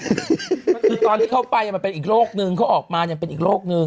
คือตอนที่เขาไปมันเป็นอีกโรคนึงเขาออกมาเนี่ยเป็นอีกโรคนึง